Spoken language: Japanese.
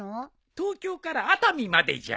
東京から熱海までじゃ。